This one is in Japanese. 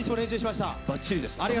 ばっちりでした。